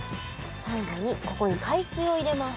最後にここに海水を入れます。